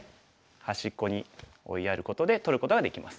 端っこに追いやることで取ることができます。